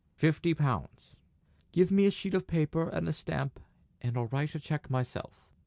"Fifty pounds." "Give me a sheet of paper and a stamp, and I'll write a cheque myself."